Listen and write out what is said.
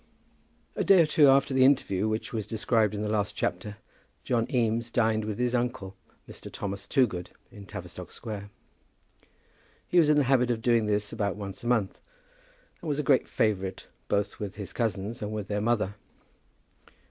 A day or two after the interview which was described in the last chapter John Eames dined with his uncle Mr. Thomas Toogood, in Tavistock Square. He was in the habit of doing this about once a month, and was a great favourite both with his cousins and with their mother.